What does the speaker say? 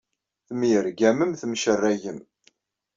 Temyergamem, temcerragem.